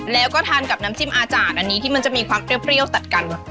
แล้วก็ทานกับน้ำจิ้มอาจารย์อันนี้ที่มันจะมีความเปรี้ยวตัดกัน